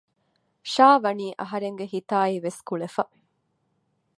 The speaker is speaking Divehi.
ޝާވަނީ އަހަރެންގެ ހިތާއިވެސް ކުޅެފަ